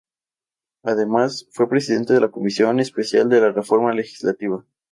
Además, fue Presidente de la Comisión Especial de la Reforma Legislativa.